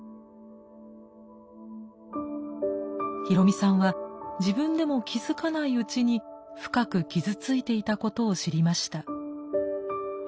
ヒロミさんは自分でも気付かないうちに深く傷ついていたことを知りました。